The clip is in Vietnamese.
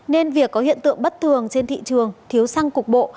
nên việc có hiện tượng bất thường trên thị trường thiếu xăng cục bộ